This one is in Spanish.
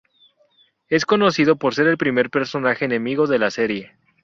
Es conocido por ser el primer personaje enemigo de la serie.